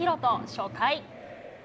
初回。